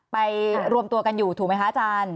ไปรวมตัวกันอยู่ถูกไหมคะอาจารย์